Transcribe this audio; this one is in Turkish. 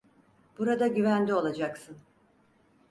Burada güvende olacaksın.